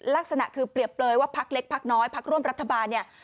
ลักษณะคือเปรียบเปลยว่าพักเล็กพักน้อยพักร่วมรัฐบาลเนี่ย